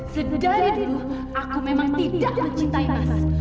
setidaknya aku tidak mencintai mas